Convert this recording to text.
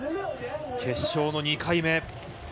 決勝の２回目。